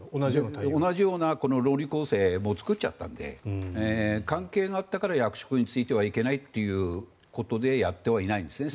同じような論理構成をもう作っちゃったので関係があったから役職に就いてはいけないということでやってはいないんですね